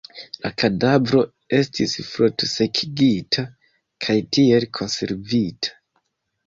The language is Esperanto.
La kadavro estis frost-sekigita kaj tiel konservita.